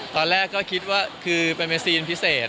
ตอนแรกก็คิดว่าคือเป็นเมซีนพิเศษ